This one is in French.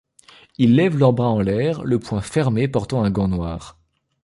Ils lèvent leur bras en l’air, le point fermé portant un gant noir.